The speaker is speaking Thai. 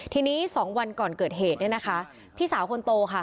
ทีนี้๒วันก่อนเกิดเหตุพี่สาวคนโตค่ะ